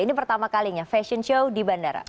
ini pertama kalinya fashion show di bandara